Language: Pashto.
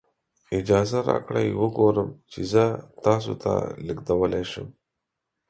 اجازه راکړئ وګورم چې زه تاسو ته لیږدولی شم.